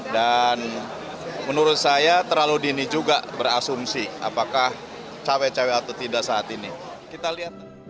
dan menurut saya terlalu dini juga berasumsi apakah cewek cewek atau tidak saat ini